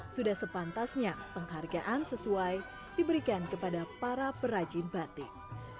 sudah sepantasnya penghargaan sesuai diberikan kepada para perajin batik